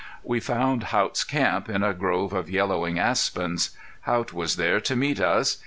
We found Haught's camp in a grove of yellowing aspens. Haught was there to meet us.